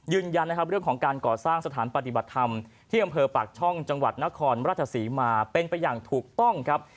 ยืนยันนะครับเรื่องของการก่อสร้างสถานปฏิบัติธรรมที่อำเภอปากช่องจังหวัดนครราชศรีมาเป็นไปอย่างถูกต้องครับ